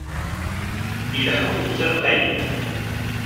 Ileḥḥu deg uzal qayli.